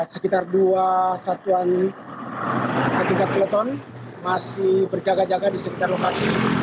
sekitar dua satuan kelaton masih berjaga jaga di sekitar lokasi ini